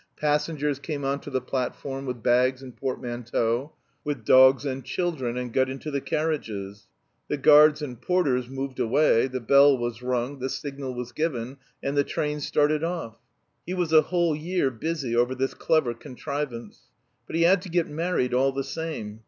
Passengers came on to the platform with bags and portmanteaux, with dogs and children, and got into the carriages. The guards and porters moved away, the bell was rung, the signal was given, and the train started off. He was a whole year busy over this clever contrivance. But he had to get married all the same.